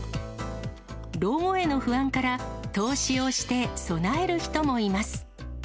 老後への不安から、投資をして備える人もいます。